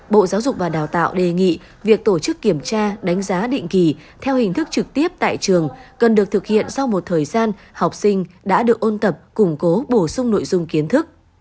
bộ giáo dục và đào tạo đề nghị việc tổ chức kiểm tra đánh giá định kỳ theo hình thức trực tiếp tại trường cần được thực hiện sau một thời gian học sinh đã được ôn tập củng cố bổ sung nội dung kiến thức